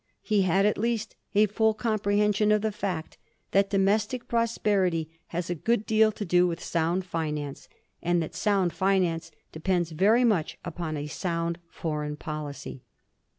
He had at least a full comprehen sion of the fact that domestic prosperity has a good deal to do with sound finance, and that sound finance depends very much upon a sound foreign policy.